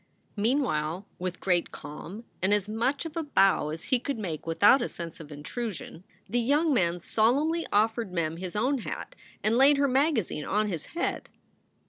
Meanwhile, with great calm and as much of a bow as he could make without a sense of intrusion, the young man solemnly offered Mem his own hat and laid her magazine on his head.